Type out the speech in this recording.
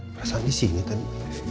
perasaan di sini tadi